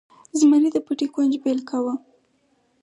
زمري د پټي کونج بیل کاوه.